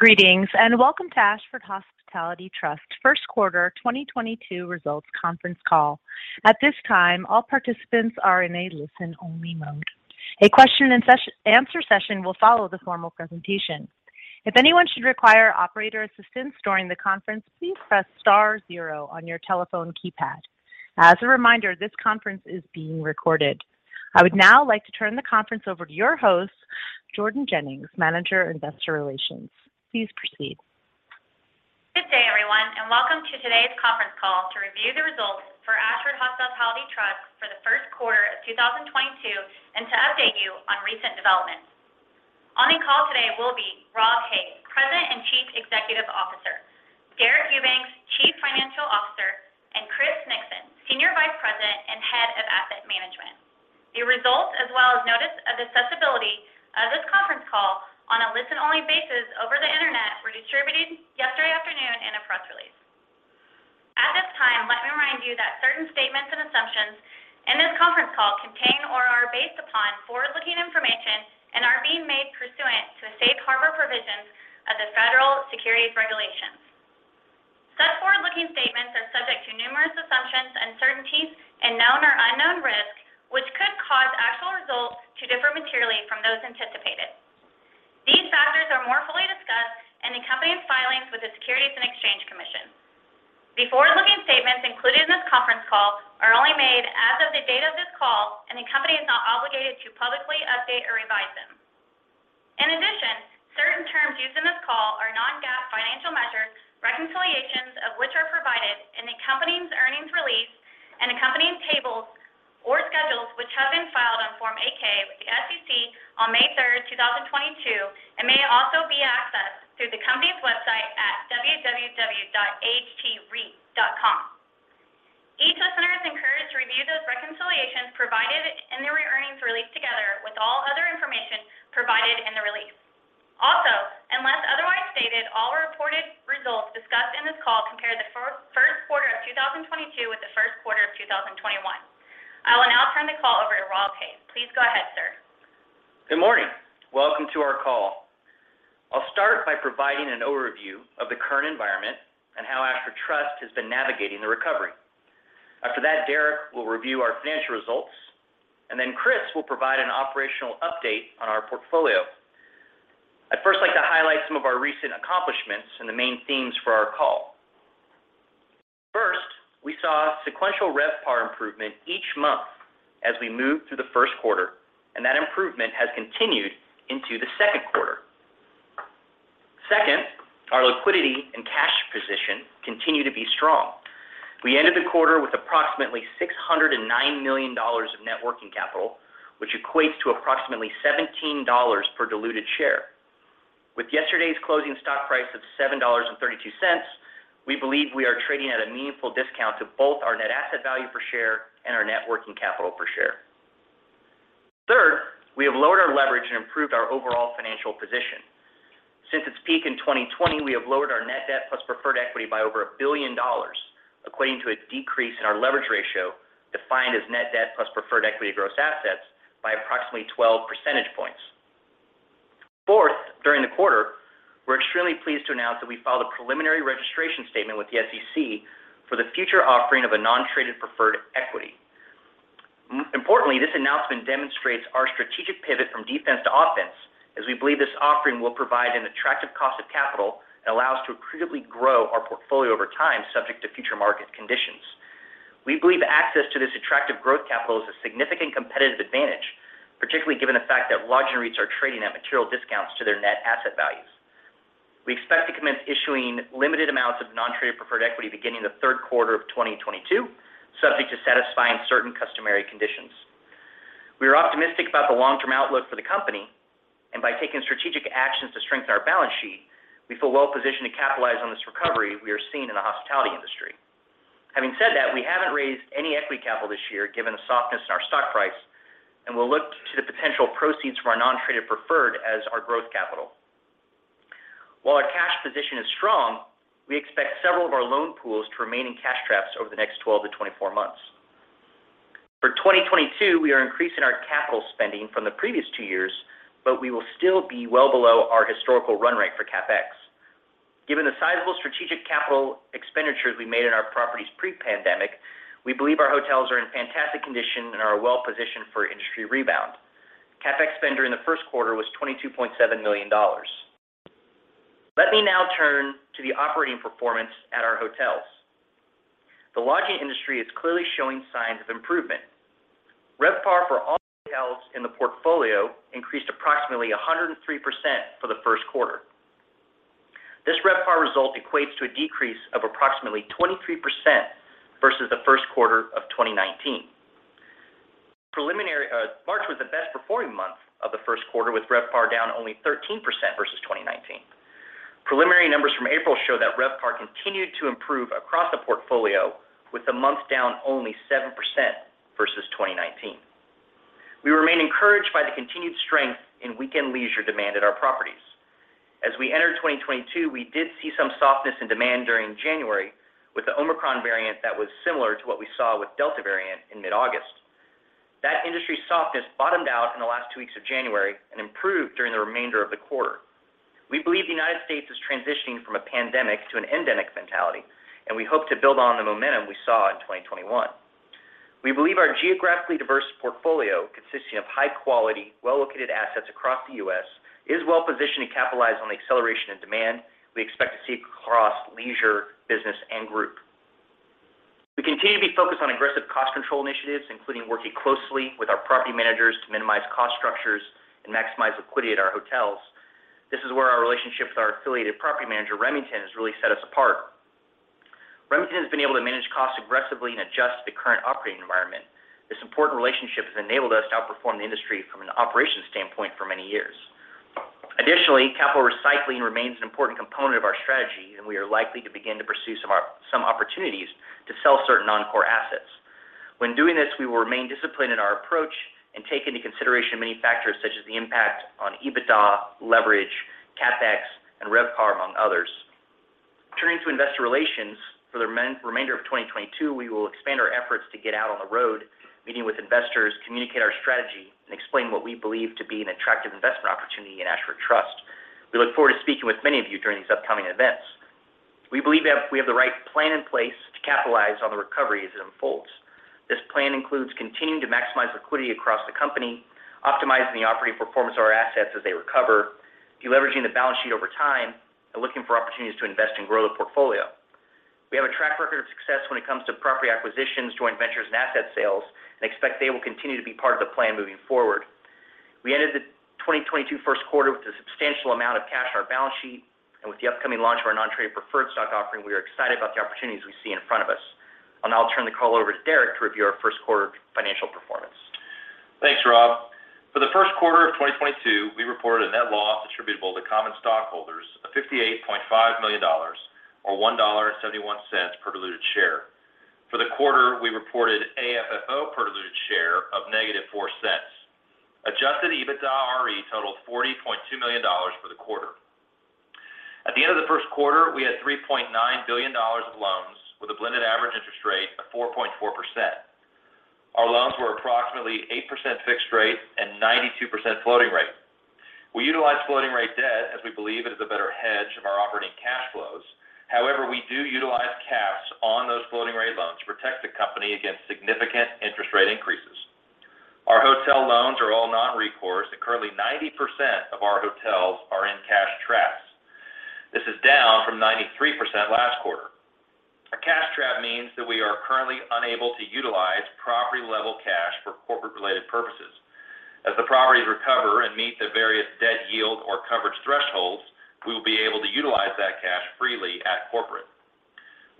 Greetings, and Welcome to Ashford Hospitality Trust First Quarter 2022 Results Conference Call. At this time, all participants are in a listen-only mode. A question-and-answer session will follow the formal presentation. If anyone should require operator assistance during the conference, please press star zero on your telephone keypad. As a reminder, this conference is being recorded. I would now like to turn the conference over to your host, Jordan Jennings, Manager, Investor Relations. Please proceed. Good day, everyone, and welcome to today's conference call to review the results for Ashford Hospitality Trust for the first quarter of 2022, and to update you on recent developments. On the call today will be Rob Hays, President and Chief Executive Officer, Deric Eubanks, Chief Financial Officer, and Chris Nixon, Senior Vice President and Head of Asset Management. The results, as well as notice of accessibility of this conference call on a listen-only basis over the Internet, were distributed yesterday afternoon in a press release. At this time, let me remind you that certain statements and assumptions in this conference call contain or are based upon forward-looking information and are being made pursuant to the safe harbor provisions of the Federal Securities Regulations. Such forward-looking statements are subject to numerous assumptions, uncertainties, and known or unknown risks, which could cause actual results to differ materially from those anticipated. These factors are more fully discussed in the company's filings with the Securities and Exchange Commission. The forward-looking statements included in this conference call are only made as of the date of this call, and the company is not obligated to publicly update or revise them. In addition, certain terms used in this call are non-GAAP financial measures, reconciliations of which are provided in the company's earnings release and accompanying tables or schedules, which have been filed on Form 8-K with the SEC on May 3rd, 2022, and may also be accessed through the company's website at www.ahtreit.com. Each listener is encouraged to review those reconciliations provided in the earnings release together with all other information provided in the release. Also, unless otherwise stated, all reported results discussed in this call compare the first quarter of 2022 with the first quarter of 2021. I will now turn the call over to Rob Hays. Please go ahead, sir. Good morning. Welcome to our call. I'll start by providing an overview of the current environment and how Ashford Trust has been navigating the recovery. After that, Deric will review our financial results, and then Chris will provide an operational update on our portfolio. I'd first like to highlight some of our recent accomplishments and the main themes for our call. First, we saw sequential RevPAR improvement each month as we moved through the first quarter, and that improvement has continued into the second quarter. Second, our liquidity and cash position continue to be strong. We ended the quarter with approximately $609 million of net working capital, which equates to approximately $17 per diluted share. With yesterday's closing stock price of $7.32, we believe we are trading at a meaningful discount to both our net asset value per share and our net working capital per share. Third, we have lowered our leverage and improved our overall financial position. Since its peak in 2020, we have lowered our net debt plus preferred equity by over a billion dollars, equating to a decrease in our leverage ratio, defined as net debt plus preferred equity of gross assets, by approximately 12 percentage points. Fourth, during the quarter, we're extremely pleased to announce that we filed a preliminary registration statement with the SEC for the future offering of a non-traded preferred equity. Most importantly, this announcement demonstrates our strategic pivot from defense to offense, as we believe this offering will provide an attractive cost of capital that allows to accretively grow our portfolio over time, subject to future market conditions. We believe access to this attractive growth capital is a significant competitive advantage, particularly given the fact that lodging REITs are trading at material discounts to their net asset values. We expect to commence issuing limited amounts of non-traded preferred equity beginning the third quarter of 2022, subject to satisfying certain customary conditions. We are optimistic about the long-term outlook for the company, and by taking strategic actions to strengthen our balance sheet, we feel well-positioned to capitalize on this recovery we are seeing in the hospitality industry. Having said that, we haven't raised any equity capital this year given the softness in our stock price, and we'll look to the potential proceeds from our non-traded preferred as our growth capital. While our cash position is strong, we expect several of our loan pools to remain in cash traps over the next 12-24 months. For 2022, we are increasing our capital spending from the previous two years, but we will still be well below our historical run rate for CapEx. Given the sizable strategic capital expenditures we made in our properties pre-pandemic, we believe our hotels are in fantastic condition and are well positioned for industry rebound. CapEx spend during the first quarter was $22.7 million. Let me now turn to the operating performance at our hotels. The lodging industry is clearly showing signs of improvement. RevPAR for all hotels in the portfolio increased approximately 103% for the first quarter. This RevPAR result equates to a decrease of approximately 23% versus the first quarter of 2019. March was the best performing month of the first quarter, with RevPAR down only 13% versus 2019. Preliminary numbers from April show that RevPAR continued to improve across the portfolio, with the month down only 7% versus 2019. We remain encouraged by the continued strength in weekend leisure demand at our properties. As we entered 2022, we did see some softness in demand during January with the Omicron variant that was similar to what we saw with Delta variant in mid-August. That industry softness bottomed out in the last two weeks of January and improved during the remainder of the quarter. We believe the United States is transitioning from a pandemic to an endemic mentality, and we hope to build on the momentum we saw in 2021. We believe our geographically diverse portfolio, consisting of high-quality, well-located assets across the U.S., is well-positioned to capitalize on the acceleration and demand we expect to see across leisure, business, and group. We continue to be focused on aggressive cost control initiatives, including working closely with our property managers to minimize cost structures and maximize liquidity at our hotels. This is where our relationship with our affiliated property manager, Remington, has really set us apart. Remington has been able to manage costs aggressively and adjust to the current operating environment. This important relationship has enabled us to outperform the industry from an operations standpoint for many years. Additionally, capital recycling remains an important component of our strategy, and we are likely to begin to pursue some opportunities to sell certain non-core assets. When doing this, we will remain disciplined in our approach and take into consideration many factors, such as the impact on EBITDA, leverage, CapEx, and RevPAR, among others. Turning to investor relations, for the remainder of 2022, we will expand our efforts to get out on the road, meeting with investors, communicate our strategy, and explain what we believe to be an attractive investment opportunity in Ashford Trust. We look forward to speaking with many of you during these upcoming events. We believe we have the right plan in place to capitalize on the recovery as it unfolds. This plan includes continuing to maximize liquidity across the company, optimizing the operating performance of our assets as they recover, de-leveraging the balance sheet over time, and looking for opportunities to invest and grow the portfolio. We have a track record of success when it comes to property acquisitions, joint ventures, and asset sales, and expect they will continue to be part of the plan moving forward. We ended the 2022 first quarter with a substantial amount of cash on our balance sheet, and with the upcoming launch of our non-traded preferred stock offering, we are excited about the opportunities we see in front of us. I'll now turn the call over to Deric to review our first quarter financial performance. Thanks, Rob. For the first quarter of 2022, we reported a net loss attributable to common stockholders of $58.5 million or $1.71 per diluted share. For the quarter, we reported AFFO per diluted share of -$0.04. Adjusted EBITDAre totaled $40.2 million for the quarter. At the end of the first quarter, we had $3.9 billion of loans with a blended average interest rate of 4.4%. Our loans were approximately 8% fixed rate and 92% floating rate. We utilize floating rate debt as we believe it is a better hedge of our operating cash flows. However, we do utilize caps on those floating rate loans to protect the company against significant interest rate increases. Our hotel loans are all non-recourse, and currently 90% of our hotels are in cash traps. This is down from 93% last quarter. A cash trap means that we are currently unable to utilize property-level cash for corporate-related purposes. As the properties recover and meet the various debt yield or coverage thresholds, we will be able to utilize that cash freely at corporate.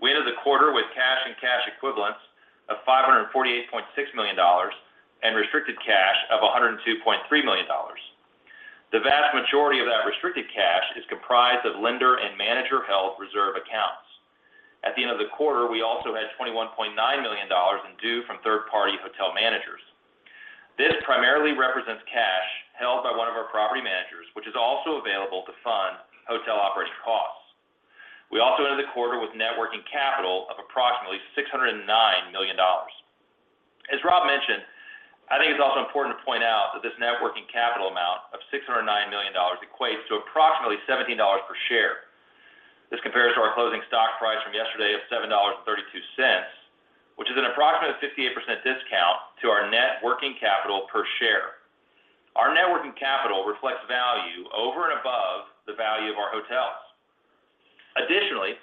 We ended the quarter with cash and cash equivalents of $548.6 million and restricted cash of $102.3 million. The vast majority of that restricted cash is comprised of lender and manager-held reserve accounts. At the end of the quarter, we also had $21.9 million in due from third-party hotel managers. This primarily represents cash held by one of our property managers, which is also available to fund hotel operation costs. We ended the quarter with net working capital of approximately $609 million. As Rob mentioned, I think it's also important to point out that this net working capital amount of $609 million equates to approximately $17 per share. This compares to our closing stock price from yesterday of $7.32, which is an approximate 58% discount to our net working capital per share. Our net working capital reflects value over and above the value of our hotels. Additionally,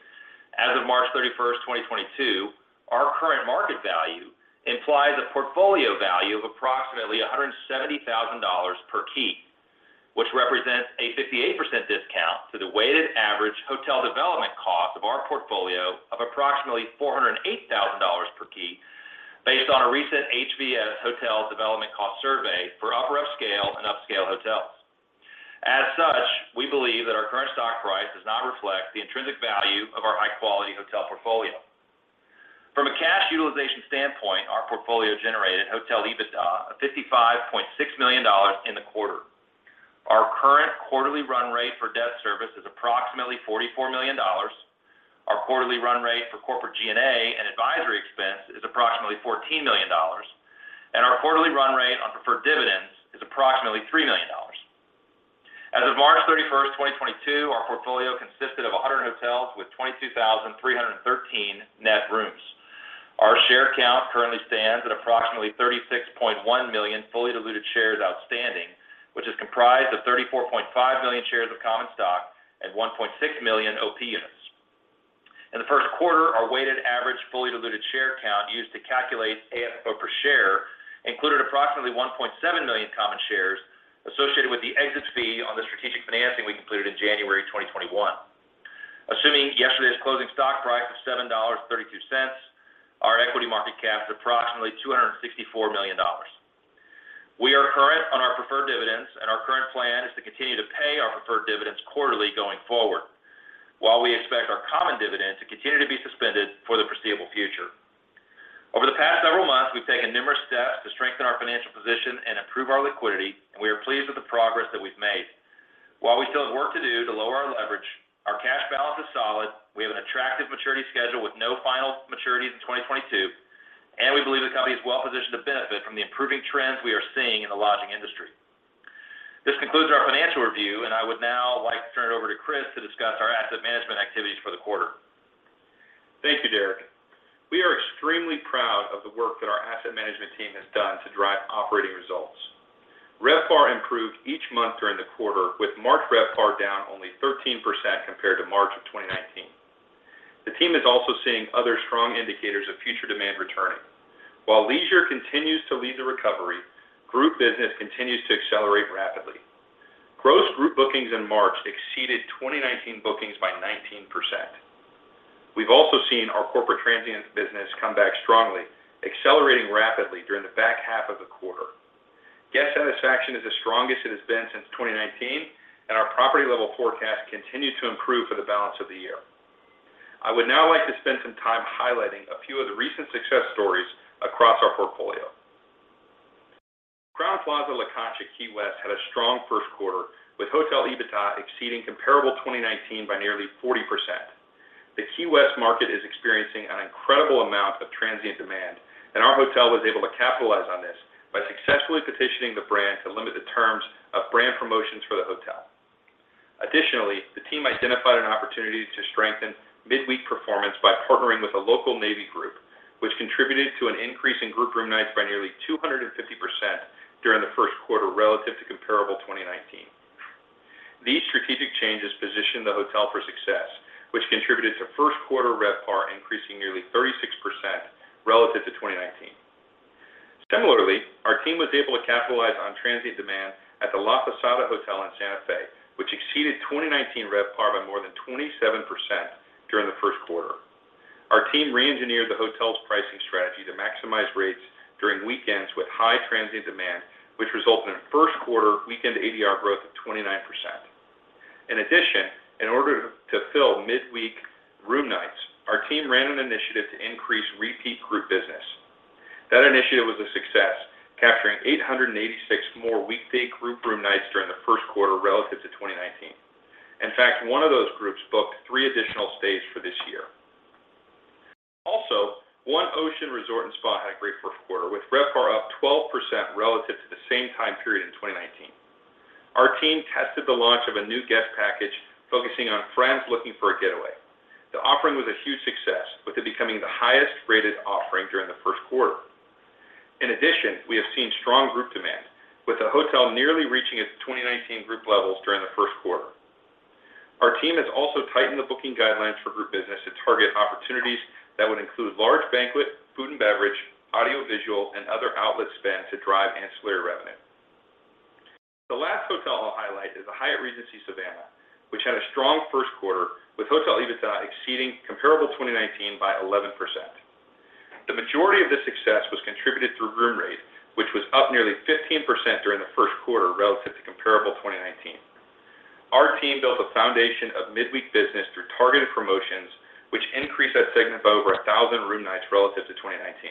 as of March 31st, 2022, our current market value implies a portfolio value of approximately $170,000 per key, which represents a 58% discount to the weighted average hotel development cost of our portfolio of approximately $408,000 per key based on a recent HVS Hotel Development Cost Survey for upper upscale and upscale hotels. As such, we believe that our current stock price does not reflect the intrinsic value of our high-quality hotel portfolio. From a cash utilization standpoint, our portfolio generated hotel EBITDA of $55.6 million in the quarter. Our current quarterly run rate for debt service is approximately $44 million. Our quarterly run rate for corporate G&A and advisory expense is approximately $14 million, and our quarterly run rate on preferred dividends is approximately $3 million. As of March 31st, 2022, our portfolio consisted of 100 hotels with 22,313 net rooms. Our share count currently stands at approximately 36.1 million fully diluted shares outstanding, which is comprised of 34.5 million shares of common stock and 1.6 million OP units. In the first quarter, our weighted average fully diluted share count used to calculate AFFO per share included approximately 1.7 million common shares associated with the exit fee on the strategic financing we completed in January 2021. Assuming yesterday's closing stock price of $7.32, our equity market cap is approximately $264 million. We are current on our preferred dividends, and our current plan is to continue to pay our preferred dividends quarterly going forward, while we expect our common dividend to continue to be suspended for the foreseeable future. Over the past several months, we've taken numerous steps to strengthen our financial position and improve our liquidity, and we are pleased with the progress that we've made. While we still have work to do to lower our leverage, our cash balance is solid. We have an attractive maturity schedule with no final maturities in 2022, and we believe the company is well-positioned to benefit from the improving trends we are seeing in the lodging industry. This concludes our financial review, and I would now like to turn it over to Chris to discuss our asset management activities for the quarter. Thank you, Deric. We are extremely proud of the work that our asset management team has done to drive operating results. RevPAR improved each month during the quarter, with March RevPAR down only 13% compared to March of 2019. The team is also seeing other strong indicators of future demand returning. While leisure continues to lead the recovery, group business continues to accelerate rapidly. Gross group bookings in March exceeded 2019 bookings by 19%. We've also seen our corporate transient business come back strongly, accelerating rapidly during the back half of the quarter. Guest satisfaction is the strongest it has been since 2019, and our property level forecast continued to improve for the balance of the year. I would now like to spend some time highlighting a few of the recent success stories across our portfolio. Crowne Plaza Key West-La Concha had a strong first quarter, with hotel EBITDA exceeding comparable 2019 by nearly 40%. The Key West market is experiencing an incredible amount of transient demand, and our hotel was able to capitalize on this by successfully petitioning the brand to limit the terms of brand promotions for the hotel. Additionally, the team identified an opportunity to strengthen midweek performance by partnering with a local Navy group, which contributed to an increase in group room nights by nearly 250% during the first quarter relative to comparable 2019. These strategic changes positioned the hotel for success, which contributed to first quarter RevPAR increasing nearly 36% relative to 2019. Similarly, our team was able to capitalize on transient demand at the La Posada de Santa Fe, which exceeded 2019 RevPAR by more than 27% during the first quarter. Our team re-engineered the hotel's pricing strategy to maximize rates during weekends with high transient demand, which resulted in a first quarter weekend ADR growth of 29%. In addition, in order to fill midweek room nights, our team ran an initiative to increase repeat group business. That initiative was a success, capturing 886 more weekday group room nights during the first quarter relative to 2019. In fact, one of those groups booked 3 additional stays for this year. Also, One Ocean Resort & Spa had a great first quarter, with RevPAR up 12% relative to the same time period in 2019. Our team tested the launch of a new guest package focusing on friends looking for a getaway. The offering was a huge success, with it becoming the highest-rated offering during the first quarter. In addition, we have seen strong group demand, with the hotel nearly reaching its 2019 group levels during the first quarter. Our team has also tightened the booking guidelines for group business to target opportunities that would include large banquet, food and beverage, audiovisual, and other outlet spend to drive ancillary revenue. The last hotel I'll highlight is the Hyatt Regency Savannah, which had a strong first quarter, with hotel EBITDA exceeding comparable 2019 by 11%. The majority of this success was contributed through room rate, which was up nearly 15% during the first quarter relative to comparable 2019. Our team built a foundation of midweek business through targeted promotions, which increased that segment by over 1,000 room nights relative to 2019.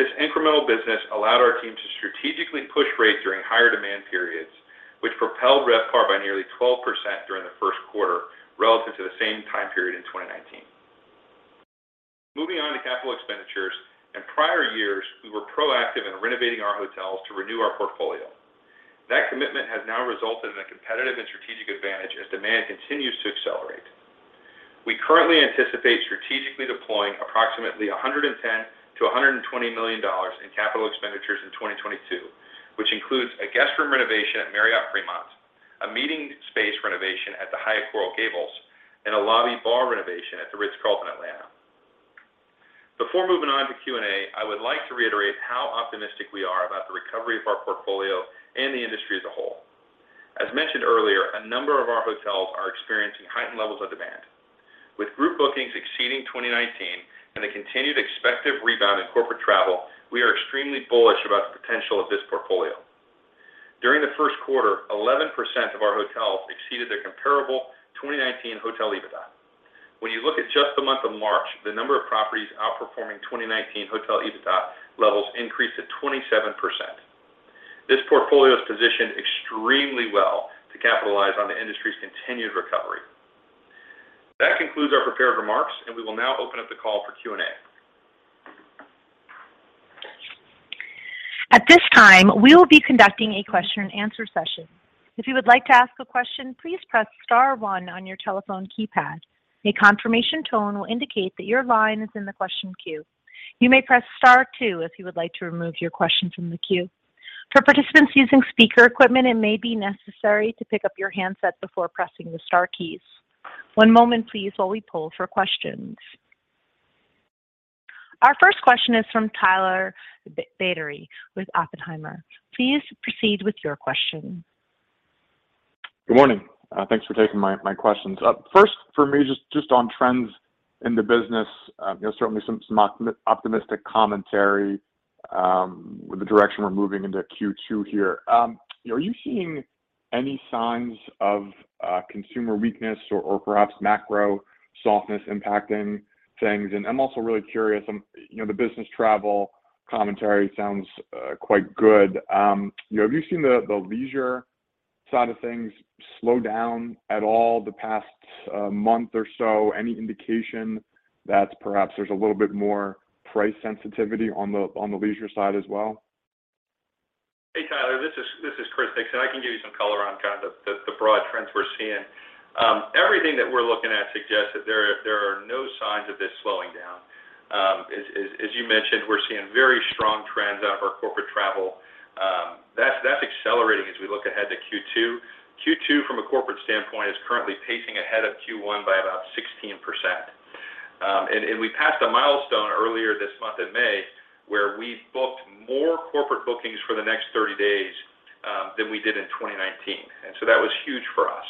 This incremental business allowed our team to strategically push rates during higher demand periods, which propelled RevPAR by nearly 12% during the first quarter relative to the same time period in 2019. Moving on to capital expenditures. In prior years, we were proactive in renovating our hotels to renew our portfolio. That commitment has now resulted in a competitive and strategic advantage as demand continues to accelerate. We currently anticipate strategically deploying approximately $110 million-$120 million in capital expenditures in 2022, which includes a guest room renovation at Fremont Marriott Silicon Valley, a meeting space renovation at the Hyatt Regency Coral Gables, and a lobby bar renovation at The Ritz-Carlton, Atlanta. Before moving on to Q&A, I would like to reiterate how optimistic we are about the recovery of our portfolio and the industry as a whole. As mentioned earlier, a number of our hotels are experiencing heightened levels of demand. With group bookings exceeding 2019 and the continued expected rebound in corporate travel, we are extremely bullish about the potential of this portfolio. During the first quarter, 11% of our hotels exceeded their comparable 2019 hotel EBITDA. When you look at just the month of March, the number of properties outperforming 2019 hotel EBITDA levels increased to 27%. This portfolio is positioned extremely well to capitalize on the industry's continued recovery. That concludes our prepared remarks, and we will now open up the call for Q&A. At this time, we will be conducting a question and answer session. If you would like to ask a question, please press star one on your telephone keypad. A confirmation tone will indicate that your line is in the question queue. You may press star two if you would like to remove your question from the queue. For participants using speaker equipment, it may be necessary to pick up your handset before pressing the star keys. One moment please while we poll for questions. Our first question is from Tyler Batory with Oppenheimer. Please proceed with your question. Good morning. Thanks for taking my questions. First for me, just on trends in the business. You know, certainly some optimistic commentary with the direction we're moving into Q2 here. You know, are you seeing any signs of consumer weakness or perhaps macro softness impacting things? I'm also really curious, you know, the business travel commentary sounds quite good. You know, have you seen the leisure side of things slow down at all the past month or so? Any indication that perhaps there's a little bit more price sensitivity on the leisure side as well? Hey, Tyler, this is Chris Nixon. I can give you some color on the broad trends we're seeing. Everything that we're looking at suggests that there are no signs of this slowing down. As you mentioned, we're seeing very strong trends out of our corporate travel. That's accelerating as we look ahead to Q2. Q2 from a corporate standpoint is currently pacing ahead of Q1 by about 16%. We passed a milestone earlier this month in May, where we booked more corporate bookings for the next 30 days than we did in 2019. That was huge for us.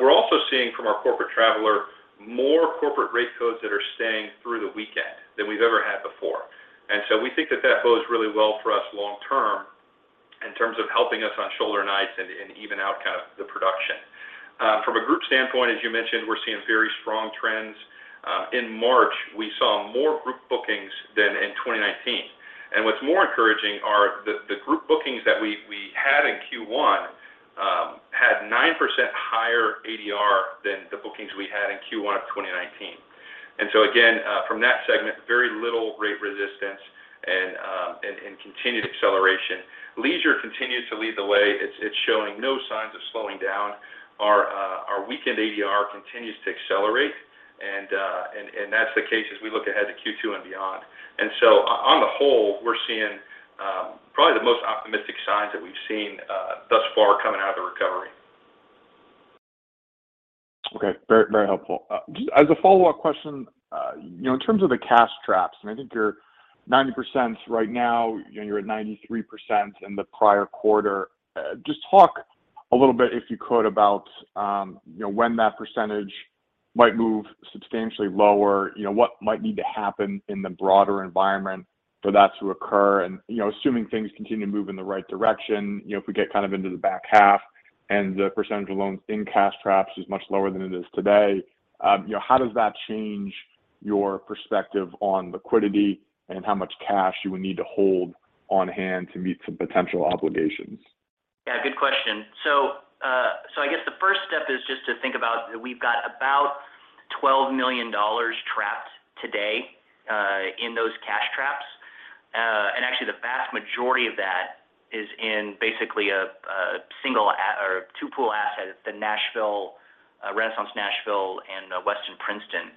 We're also seeing from our corporate traveler more corporate rate codes that are staying through the weekend than we've ever had before. We think that bodes really well for us long term in terms of helping us on shoulder nights and even out kind of the production. From a group standpoint, as you mentioned, we're seeing very strong trends. In March, we saw more group bookings than in 2019. What's more encouraging are the group bookings that we had in Q1 had 9% higher ADR than the bookings we had in Q1 of 2019. From that segment, very little rate resistance and continued acceleration. Leisure continues to lead the way. It's showing no signs of slowing down. Our weekend ADR continues to accelerate, and that's the case as we look ahead to Q2 and beyond. On the whole, we're seeing probably the most optimistic signs that we've seen thus far coming out of the recovery. Okay. Very, very helpful. Just as a follow-up question, you know, in terms of the cash traps, and I think you're 90% right now, you know, you're at 93% in the prior quarter. Just talk a little bit, if you could, about, you know, when that percentage might move substantially lower. You know, what might need to happen in the broader environment for that to occur? And, you know, assuming things continue to move in the right direction, you know, if we get kind of into the back half and the percentage of loans in cash traps is much lower than it is today, you know, how does that change your perspective on liquidity and how much cash you would need to hold on hand to meet some potential obligations? Yeah, good question. I guess the first step is just to think about that we've got about $12 million trapped today in those cash traps. Actually the vast majority of that is in basically a single or two pool asset. It's the Nashville, Renaissance Nashville and Westin Princeton.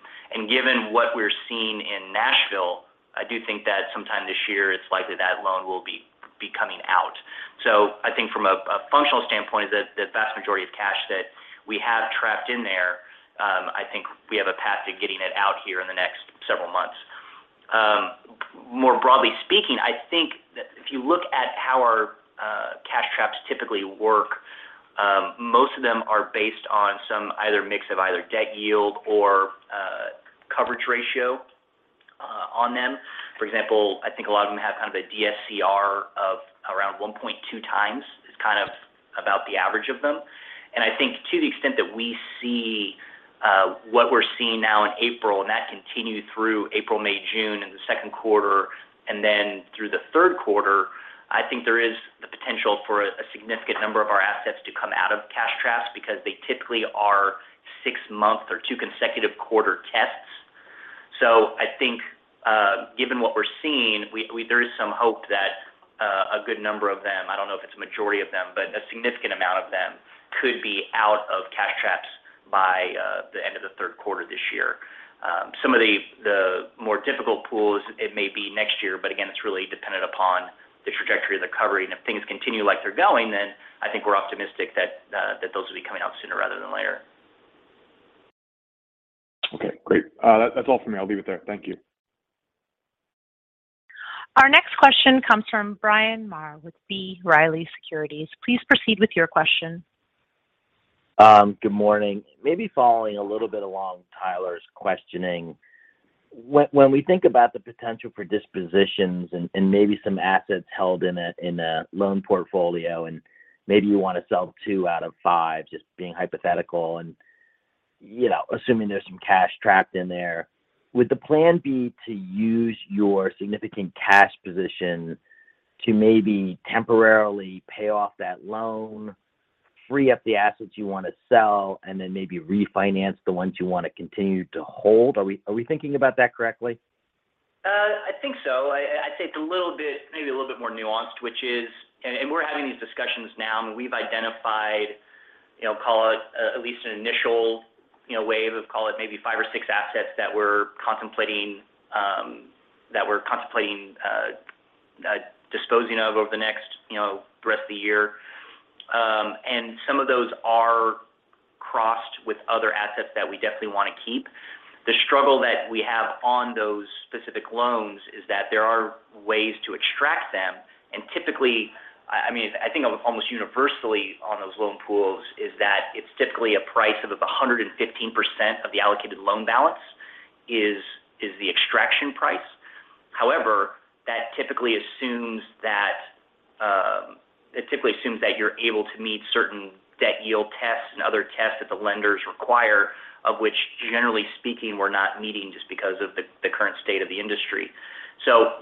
Given what we're seeing in Nashville, I do think that sometime this year it's likely that loan will be coming out. I think from a functional standpoint is that the vast majority of cash that we have trapped in there, I think we have a path to getting it out here in the next several months. More broadly speaking, I think that if you look at how our cash traps typically work, most of them are based on some either mix of either debt yield or coverage ratio on them. For example, I think a lot of them have kind of a DSCR of around 1.2x is kind of about the average of them. I think to the extent that we see what we're seeing now in April and that continued through April, May, June in the second quarter and then through the third quarter, I think there is the potential for a significant number of our assets to come out of cash traps because they typically are six-month or two consecutive quarter tests. I think, given what we're seeing, there is some hope that a good number of them, I don't know if it's a majority of them, but a significant amount of them could be out of cash traps by the end of the third quarter this year. Some of the more difficult pools, it may be next year, but again, it's really dependent upon the trajectory of the recovery. If things continue like they're going, then I think we're optimistic that those will be coming out sooner rather than later. Okay, great. That's all for me. I'll leave it there. Thank you. Our next question comes from Bryan Maher with B. Riley Securities. Please proceed with your question. Good morning. Maybe following a little bit along Tyler's questioning. When we think about the potential for dispositions and maybe some assets held in a loan portfolio, and maybe you want to sell two out of five, just being hypothetical and, you know, assuming there's some cash trapped in there, would the plan B to use your significant cash position to maybe temporarily pay off that loan, free up the assets you want to sell, and then maybe refinance the ones you want to continue to hold? Are we thinking about that correctly? I think so. I'd say it's a little bit more nuanced. We're having these discussions now, and we've identified, you know, call it at least an initial, you know, wave of call it maybe 5 or 6 assets that we're contemplating disposing of over the next, you know, rest of the year. Some of those are crossed with other assets that we definitely want to keep. The struggle that we have on those specific loans is that there are ways to extract them. Typically, I mean, I think almost universally on those loan pools is that it's typically a price of 115% of the allocated loan balance is the extraction price. However, it typically assumes that you're able to meet certain debt yield tests and other tests that the lenders require, of which generally speaking, we're not meeting just because of the current state of the industry.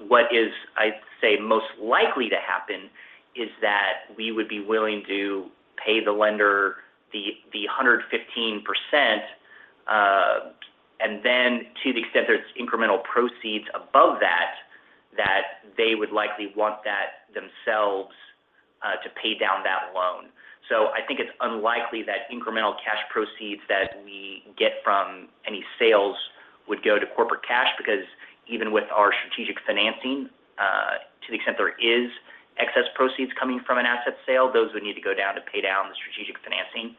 What is, I'd say, most likely to happen is that we would be willing to pay the lender the 115%, and then to the extent there's incremental proceeds above that they would likely want that themselves to pay down that loan. I think it's unlikely that incremental cash proceeds that we get from any sales would go to corporate cash because even with our strategic financing, to the extent there is excess proceeds coming from an asset sale, those would need to go down to pay down the strategic financing.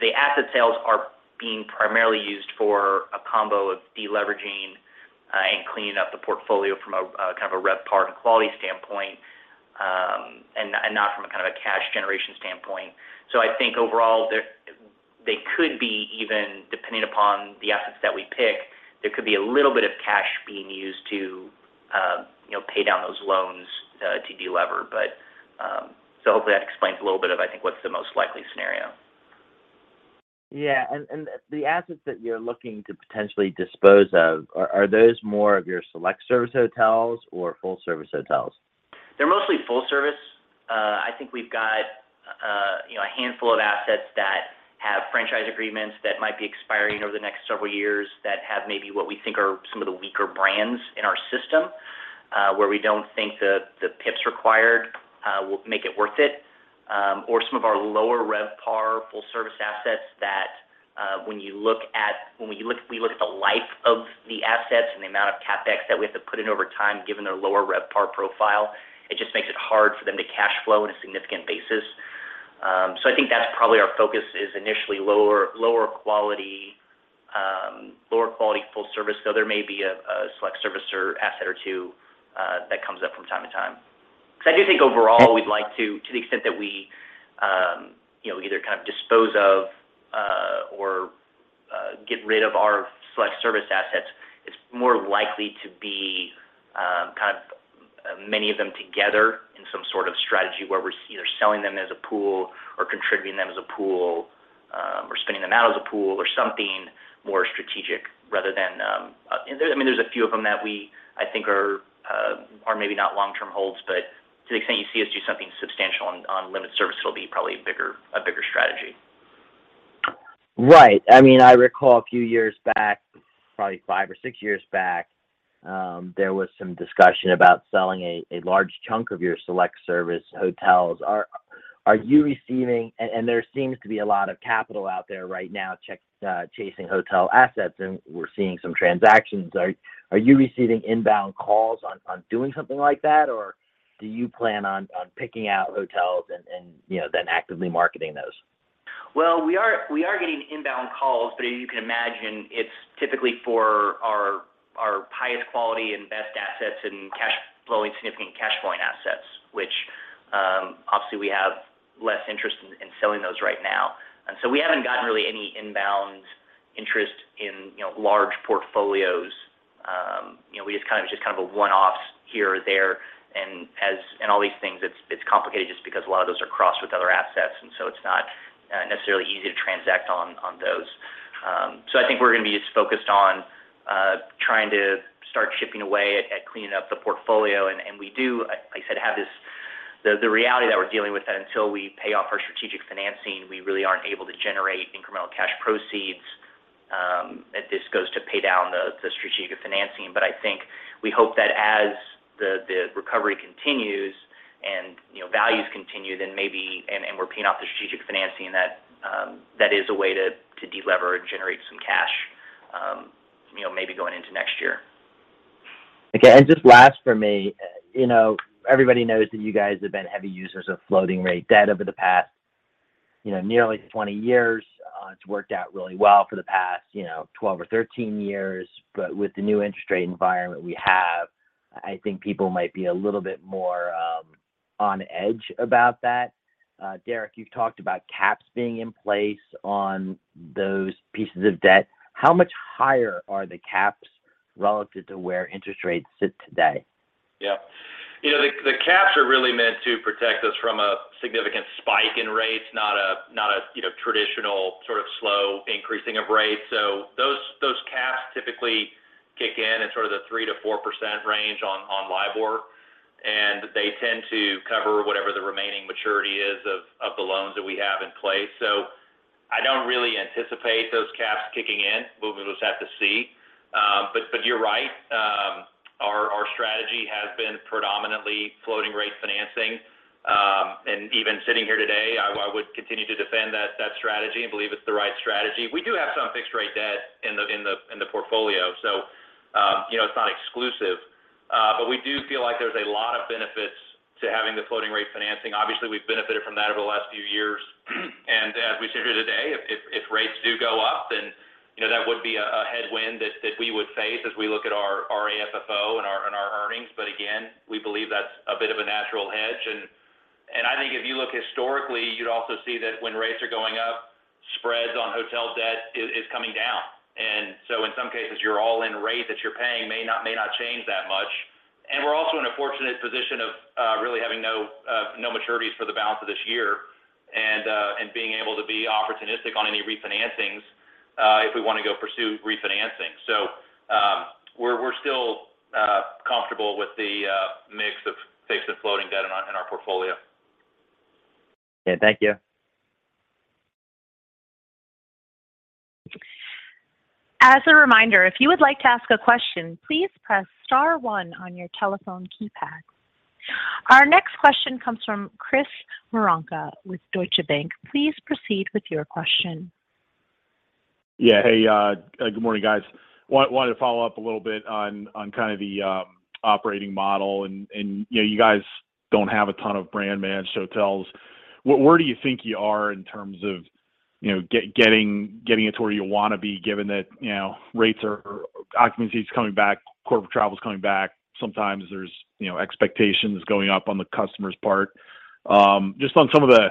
The asset sales are being primarily used for a combo of deleveraging and cleaning up the portfolio from a kind of a RevPAR and quality standpoint, and not from a kind of a cash generation standpoint. I think overall they could be even depending upon the assets that we pick, there could be a little bit of cash being used to, you know, pay down those loans, to delever. Hopefully that explains a little bit of, I think, what's the most likely scenario. Yeah. The assets that you're looking to potentially dispose of, are those more of your select service hotels or full service hotels? They're mostly full service. I think we've got, you know, a handful of assets that have franchise agreements that might be expiring over the next several years that have maybe what we think are some of the weaker brands in our system, where we don't think the PIPs required will make it worth it. Or some of our lower RevPAR full service assets that, when we look at the life of the assets and the amount of CapEx that we have to put in over time, given their lower RevPAR profile, it just makes it hard for them to cash flow on a significant basis. I think that's probably our focus is initially lower quality full service, though there may be a select service asset or two that comes up from time to time. Because I do think overall we'd like to the extent that we you know either kind of dispose of or get rid of our select service assets, it's more likely to be kind of many of them together in some sort of strategy where we're either selling them as a pool or contributing them as a pool or spinning them out as a pool or something more strategic rather than. I mean, there's a few of them that we I think are maybe not long-term holds, but to the extent you see us do something substantial on limited service, it'll be probably a bigger strategy. Right. I mean, I recall a few years back, probably 5 or 6 years back, there was some discussion about selling a large chunk of your select service hotels. There seems to be a lot of capital out there right now chasing hotel assets, and we're seeing some transactions. Are you receiving inbound calls on doing something like that, or do you plan on picking out hotels and you know then actively marketing those? We are getting inbound calls, but as you can imagine, it's typically for our highest quality and best assets and cash flowing, significant cash flowing assets, which obviously we have less interest in selling those right now. We haven't gotten really any inbound interest in, you know, large portfolios. You know, we just kind of a one-offs here or there. All these things, it's complicated just because a lot of those are crossed with other assets, and so it's not necessarily easy to transact on those. I think we're gonna be just focused on trying to start chipping away at cleaning up the portfolio. We do, like I said, have this... The reality that we're dealing with is that until we pay off our strategic financing, we really aren't able to generate incremental cash proceeds, as this goes to pay down the strategic financing. I think we hope that as the recovery continues and, you know, values continue, then maybe we're paying off the strategic financing that is a way to delever and generate some cash, you know, maybe going into next year. Okay. Just last for me, you know, everybody knows that you guys have been heavy users of floating rate debt over the past, you know, nearly 20 years. It's worked out really well for the past, you know, 12 or 13 years. With the new interest rate environment we have, I think people might be a little bit more on edge about that. Deric, you've talked about caps being in place on those pieces of debt. How much higher are the caps relative to where interest rates sit today? Yeah. You know, the caps are really meant to protect us from a significant spike in rates, not a traditional sort of slow increasing of rates. Those caps typically kick in at sort of the 3%-4% range on LIBOR, and they tend to cover whatever the remaining maturity is of the loans that we have in place. I don't really anticipate those caps kicking in. We'll just have to see. But you're right. Our strategy has been predominantly floating rate financing. Even sitting here today, I would continue to defend that strategy and believe it's the right strategy. We do have some fixed rate debt in the portfolio, so you know, it's not exclusive. We do feel like there's a lot of benefits to having the floating rate financing. Obviously, we've benefited from that over the last few years. As we sit here today, if rates do go up, then, you know, that would be a headwind that we would face as we look at our AFFO and our earnings. Again, we believe that's a bit of a natural hedge and I think if you look historically, you'd also see that when rates are going up, spreads on hotel debt is coming down. In some cases, your all-in rate that you're paying may not change that much. We're also in a fortunate position of really having no maturities for the balance of this year and being able to be opportunistic on any refinancings if we wanna go pursue refinancing. We're still comfortable with the mix of fixed and floating debt in our portfolio. Okay. Thank you. As a reminder, if you would like to ask a question, please press star one on your telephone keypad. Our next question comes from Chris Woronka with Deutsche Bank. Please proceed with your question. Yeah. Hey, good morning, guys. Wanted to follow up a little bit on kind of the operating model and you know, you guys don't have a ton of brand managed hotels. Where do you think you are in terms of you know, getting it to where you wanna be given that you know, rates are. Occupancy is coming back, corporate travel is coming back. Sometimes there's you know, expectations going up on the customer's part. Just on some of the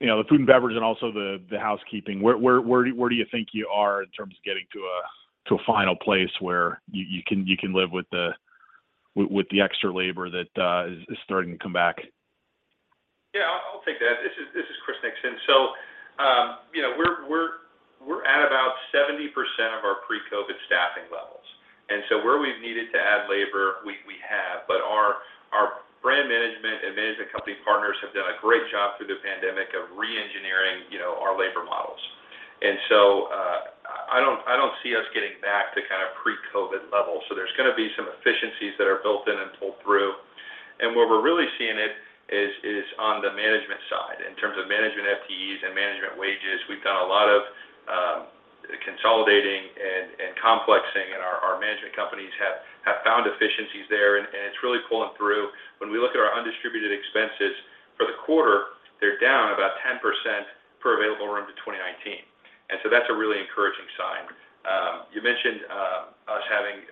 you know, the food and beverage and also the housekeeping, where do you think you are in terms of getting to a final place where you can live with the extra labor that is starting to come back? Yeah, I'll take that. This is Chris Nixon. You know, we're at about 70% of our pre-COVID staffing levels. Where we've needed to add labor, we have. But our brand management and management company partners have done a great job through the pandemic of reengineering, you know, our labor models. I don't see us getting back to kind of pre-COVID levels. There's gonna be some efficiencies that are built in and pulled through. Where we're really seeing it is on the management side. In terms of management FTEs and management wages, we've done a lot of consolidating and complexing, and our management companies have found efficiencies there, and it's really pulling through. When we look at our undistributed expenses for the quarter, they're down about 10% per available room to 2019. That's a really encouraging sign. You mentioned us having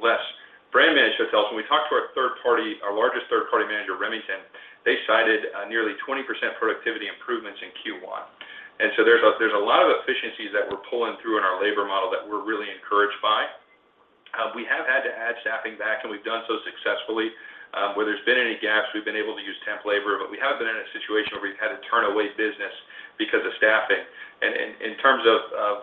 less brand managed hotels. When we talked to our third party, our largest third-party manager, Remington, they cited nearly 20% productivity improvements in Q1. There's a lot of efficiencies that we're pulling through in our labor model that we're really encouraged by. We have had to add staffing back, and we've done so successfully. Where there's been any gaps, we've been able to use temp labor, but we have been in a situation where we've had to turn away business because of staffing. In terms of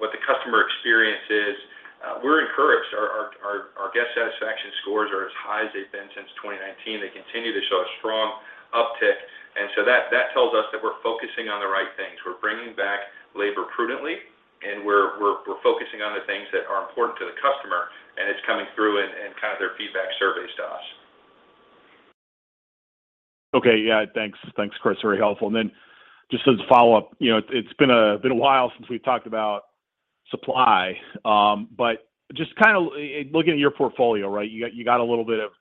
what the customer experience is, you know, we're encouraged. Our guest satisfaction scores are as high as they've been since 2019. They continue to show a strong uptick. That tells us that we're focusing on the right things. We're bringing back labor prudently, and we're focusing on the things that are important to the customer, and it's coming through in kind of their feedback surveys to us. Okay. Yeah. Thanks. Thanks, Chris. Very helpful. Just as a follow-up, you know, it's been a while since we've talked about supply. But just kinda looking at your portfolio, right, you got a little bit of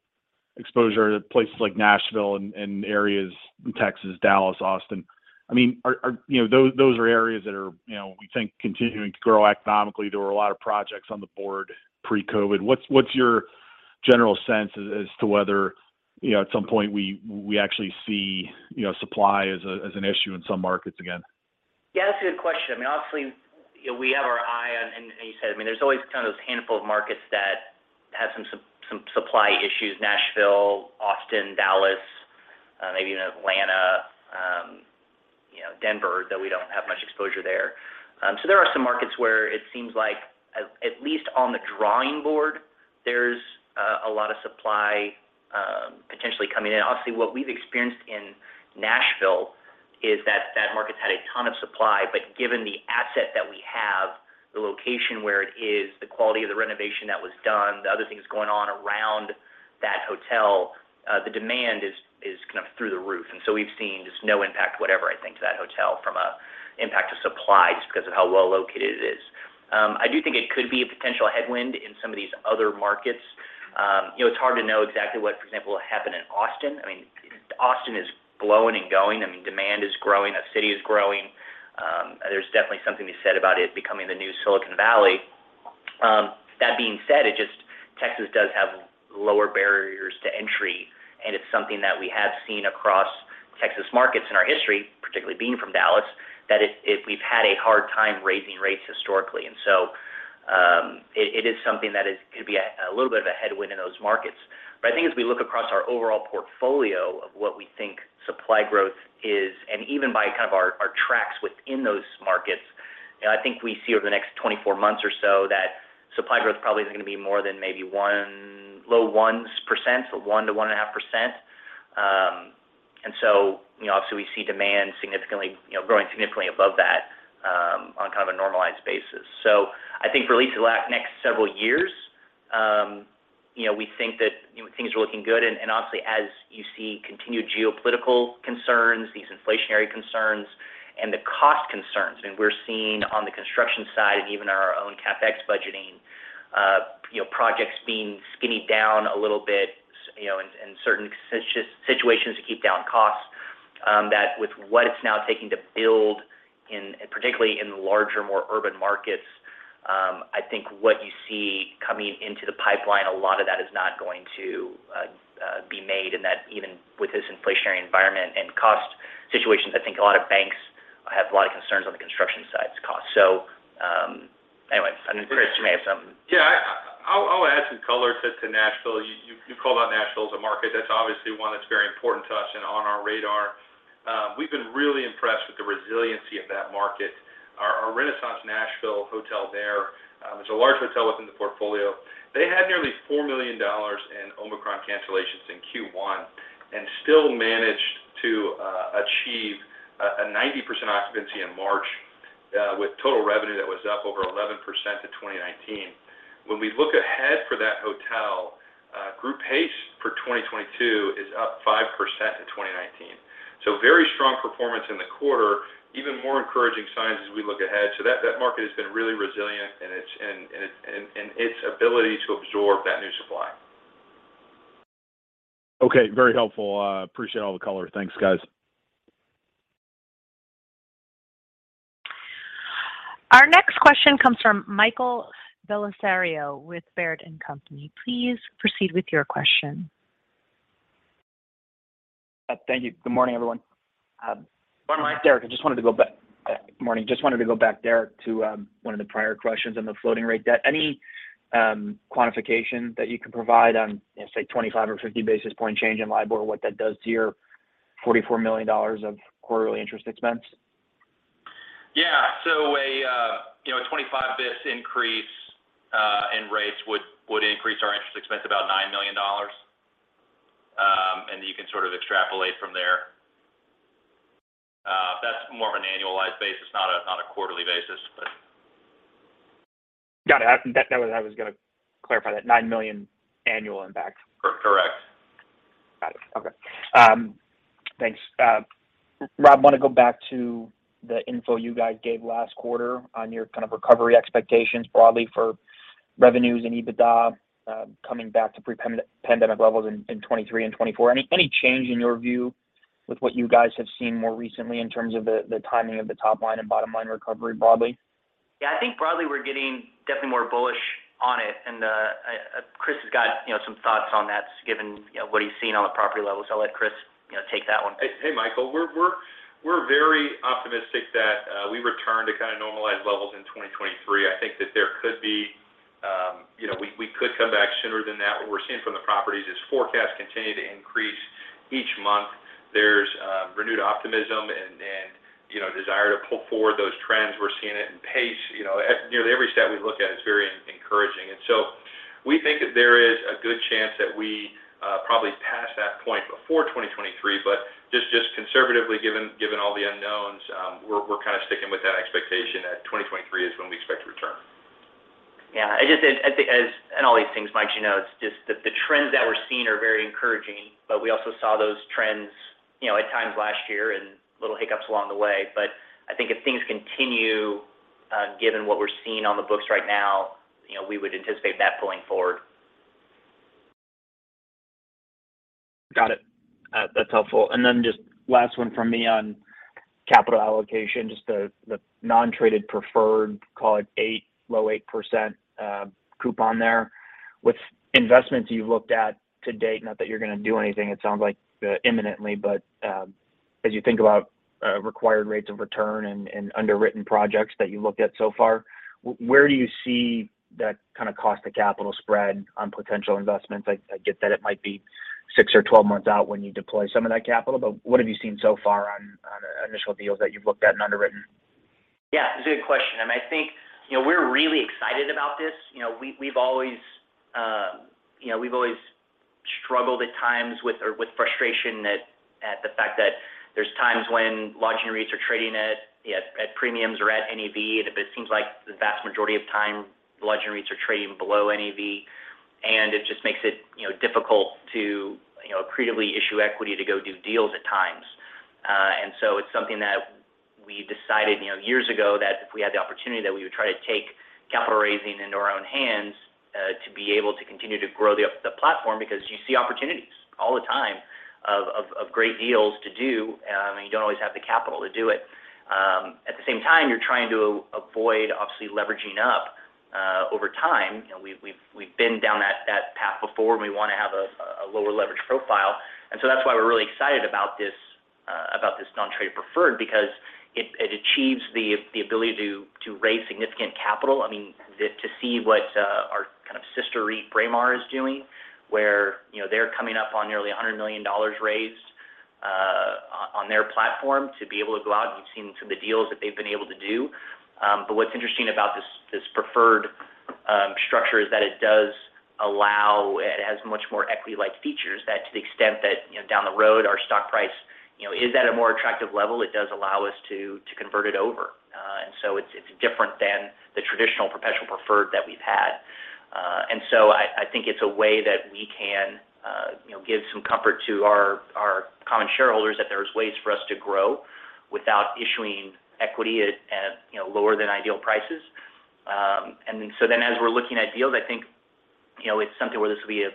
exposure to places like Nashville and areas in Texas, Dallas, Austin. I mean, are you know, those are areas that are, you know, we think continuing to grow economically. There were a lot of projects on the board pre-COVID. What's your general sense as to whether, you know, at some point we actually see, you know, supply as an issue in some markets again? Yeah, that's a good question. I mean, honestly, you know, we have our eye on. You said, I mean, there's always kind of those handful of markets that have some supply issues, Nashville, Austin, Dallas, maybe even Atlanta, you know, Denver, though we don't have much exposure there. There are some markets where it seems like at least on the drawing board, there's a lot of supply potentially coming in. Obviously, what we've experienced in Nashville is that that market's had a ton of supply, but given the asset that we have, the location where it is, the quality of the renovation that was done, the other things going on around that hotel, the demand is kind of through the roof. We've seen just no impact whatever, I think, to that hotel from an impact of supply just because of how well located it is. I do think it could be a potential headwind in some of these other markets. You know, it's hard to know exactly what, for example, will happen in Austin. I mean, Austin is blowing and going. I mean, demand is growing. The city is growing. There's definitely something to be said about it becoming the new Silicon Valley. That being said, it just Texas does have lower barriers to entry, and it's something that we have seen across Texas markets in our history, particularly being from Dallas, that it we've had a hard time raising rates historically. It is something that could be a little bit of a headwind in those markets. I think as we look across our overall portfolio of what we think supply growth is, and even by kind of our tracks within those markets, you know, I think we see over the next 24 months or so that supply growth probably isn't gonna be more than maybe 1, low ones percent, so 1%-1.5%. You know, obviously we see demand significantly, you know, growing significantly above that, on kind of a normalized basis. I think for at least the next several years, you know, we think that, you know, things are looking good. Obviously, as you see continued geopolitical concerns, these inflationary concerns, and the cost concerns, and we're seeing on the construction side and even in our own CapEx budgeting, projects being skinnied down a little bit, you know, in certain situations to keep down costs, that with what it's now taking to build in particularly in the larger, more urban markets. I think what you see coming into the pipeline, a lot of that is not going to be made, and that even with this inflationary environment and cost situations, I think a lot of banks have a lot of concerns on the construction side's cost. Anyway, I think Chris may have some- I'll add some color to Nashville. You called out Nashville as a market. That's obviously one that's very important to us and on our radar. We've been really impressed with the resiliency of that market. Our Renaissance Nashville Hotel there is a large hotel within the portfolio. They had nearly $4 million in Omicron cancellations in Q1 and still managed to achieve a 90% occupancy in March, with total revenue that was up over 11% to 2019. When we look ahead for that hotel, group pace for 2022 is up 5% to 2019. Very strong performance in the quarter, even more encouraging signs as we look ahead. That market has been really resilient in its ability to absorb that new supply. Okay. Very helpful. Appreciate all the color. Thanks, guys. Our next question comes from Michael Bellisario with Baird. Please proceed with your question. Thank you. Good morning, everyone. Good morning, Mike. Deric, morning. Just wanted to go back, Deric Eubanks, to one of the prior questions on the floating rate debt. Any quantification that you could provide on, you know, say, 25 or 50 basis point change in LIBOR, what that does to your $44 million of quarterly interest expense? A 25 basis points increase in rates would increase our interest expense about $9 million. You can sort of extrapolate from there. That's more of an annualized basis, not a quarterly basis, but. Got it. I was gonna clarify that. $9 million annual impact. Cor-correct. Got it. Okay. Thanks. Rob, wanna go back to the info you guys gave last quarter on your kind of recovery expectations broadly for revenues and EBITDA, coming back to pre-pandemic levels in 2023 and 2024. Any change in your view with what you guys have seen more recently in terms of the timing of the top line and bottom line recovery broadly? Yeah. I think broadly we're getting definitely more bullish on it. Chris has got, you know, some thoughts on that given, you know, what he's seen on the property level, so I'll let Chris, you know, take that one. Hey, Michael. We're very optimistic that we return to kind of normalized levels in 2023. I think that there could be, you know, we could come back sooner than that. What we're seeing from the properties is forecasts continue to increase each month. There's renewed optimism and, you know, desire to pull forward those trends. We're seeing it in pace. You know, at nearly every stat we look at is very encouraging. We think that there is a good chance that we probably pass that point before 2023, but just conservatively given all the unknowns, we're kind of sticking with that expectation that 2023 is when we expect to return. Yeah. All these things, Mike, you know, it's just the trends that we're seeing are very encouraging, but we also saw those trends, you know, at times last year and little hiccups along the way. I think if things continue, given what we're seeing on the books right now, you know, we would anticipate that pulling forward. Got it. That's helpful. Just last one from me on capital allocation, just the non-traded preferred, call it 8, low 8% coupon there. With investments you've looked at to date, not that you're gonna do anything, it sounds like, imminently, but as you think about required rates of return and underwritten projects that you looked at so far, where do you see that kind of cost to capital spread on potential investments? I get that it might be 6 or 12 months out when you deploy some of that capital, but what have you seen so far on initial deals that you've looked at and underwritten? Yeah. It's a good question. I think, you know, we're really excited about this. You know, we've always struggled at times with frustration at the fact that there's times when lodging REITs are trading at premiums or at NAV. It seems like the vast majority of time the lodging REITs are trading below NAV, and it just makes it, you know, difficult to, you know, creatively issue equity to go do deals at times. It's something that we decided, you know, years ago, that if we had the opportunity, that we would try to take capital raising into our own hands, to be able to continue to grow the platform because you see opportunities all the time of great deals to do, and you don't always have the capital to do it. At the same time, you're trying to avoid obviously leveraging up over time. You know, we've been down that path before. We wanna have a lower leverage profile. That's why we're really excited about this non-traded preferred because it achieves the ability to raise significant capital. I mean, to see what our kind of sister REIT, Braemar, is doing, where, you know, they're coming up on nearly $100 million raised on their platform to be able to go out, and you've seen some of the deals that they've been able to do. What's interesting about this preferred structure is that it does allow. It has much more equity-like features that to the extent that, you know, down the road our stock price, you know, is at a more attractive level, it does allow us to convert it over. It's different than the traditional perpetual preferred that we've had. I think it's a way that we can, you know, give some comfort to our common shareholders that there's ways for us to grow without issuing equity at, you know, lower than ideal prices. As we're looking at deals, I think you know, it's something where this will be a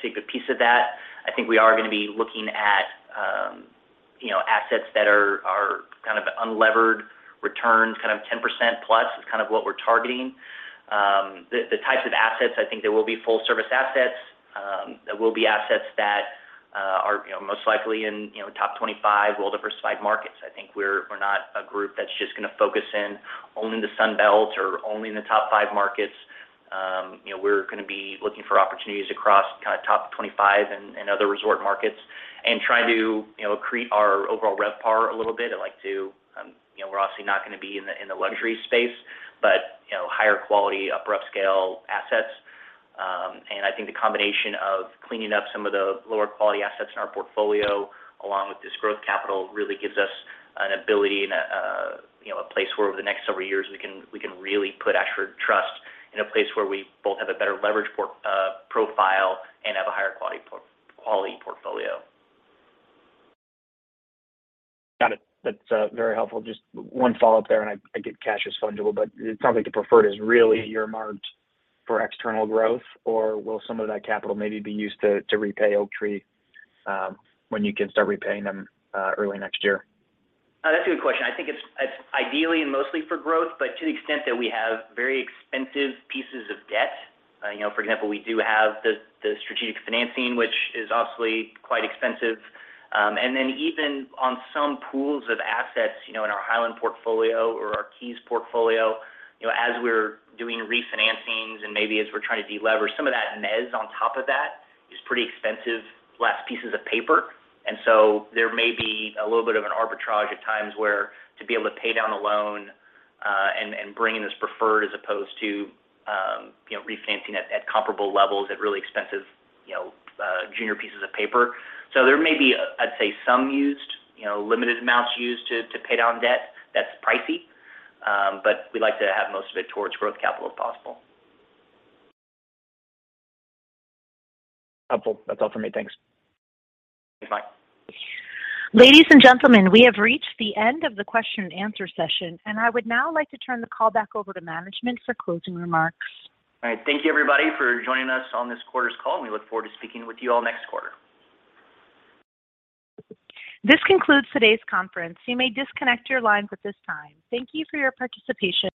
sacred piece of that. I think we are gonna be looking at, you know, assets that are kind of unlevered returns, kind of 10%+ is kind of what we're targeting. The types of assets, I think there will be full service assets. There will be assets that are, you know, most likely in, you know, top 25 well-diversified markets. I think we're not a group that's just gonna focus in only in the Sun Belt or only in the top five markets. You know, we're gonna be looking for opportunities across kinda top 25 and other resort markets and trying to, you know, accrete our overall RevPAR a little bit. I'd like to, you know, we're obviously not gonna be in the luxury space, but, you know, higher quality, upper upscale assets. I think the combination of cleaning up some of the lower quality assets in our portfolio along with this growth capital really gives us an ability and a, you know, a place where over the next several years we can really put Ashford Trust in a place where we both have a better leverage profile and have a higher quality portfolio. Got it. That's very helpful. Just one follow-up there, and I get cash is fungible, but it sounds like the preferred is really earmarked for external growth or will some of that capital maybe be used to repay Oaktree when you can start repaying them early next year? That's a good question. I think it's ideally and mostly for growth, but to the extent that we have very expensive pieces of debt. You know, for example, we do have the strategic financing, which is obviously quite expensive. Then even on some pools of assets, you know, in our Highland portfolio or our Keys portfolio, you know, as we're doing refinancings and maybe as we're trying to delever, some of that mezz on top of that is pretty expensive last pieces of paper. There may be a little bit of an arbitrage at times where to be able to pay down a loan and bring in this preferred as opposed to, you know, refinancing at comparable levels at really expensive, you know, junior pieces of paper. There may be, I'd say some use, you know, limited amounts used to pay down debt that's pricey. We'd like to have most of it towards growth capital if possible. Helpful. That's all for me. Thanks. Thanks. Bye. Ladies and gentlemen, we have reached the end of the question-and-answer session, and I would now like to turn the call back over to management for closing remarks. All right. Thank you, everybody, for joining us on this quarter's call, and we look forward to speaking with you all next quarter. This concludes today's conference. You may disconnect your lines at this time. Thank you for your participation.